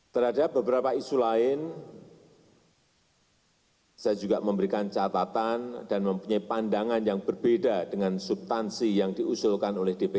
terhadap beberapa isu lain saya juga memberikan catatan dan mempunyai pandangan yang berbeda dengan subtansi yang diusulkan oleh dpr